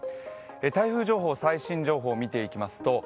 台風情報最新情報を見ていきますと